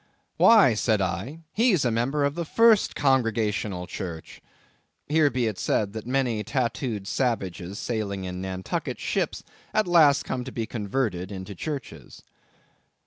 "Why," said I, "he's a member of the first Congregational Church." Here be it said, that many tattooed savages sailing in Nantucket ships at last come to be converted into the churches.